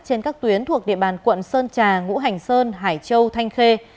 trên các tuyến thuộc địa bàn quận sơn trà ngũ hành sơn hải châu thanh khê